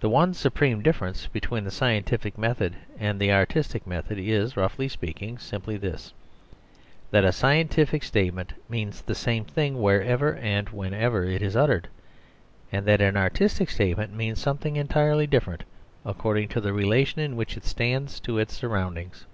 The one supreme difference between the scientific method and the artistic method is, roughly speaking, simply this that a scientific statement means the same thing wherever and whenever it is uttered, and that an artistic statement means something entirely different, according to the relation in which it stands to its surroundings.